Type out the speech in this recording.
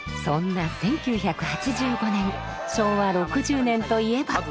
そんな１９８５年昭和６０年といえば。